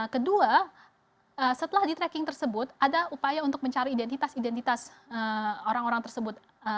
kedua setelah di tracking tersebut ada upaya untuk mencari identitas identitas orang orang tersebut